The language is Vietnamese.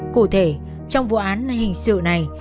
cụ thể trong vụ án hình sự này